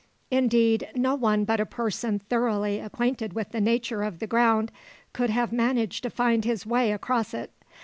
Indeed, no one but a person thoroughly acquainted with the nature of the ground could have managed to find his way across it.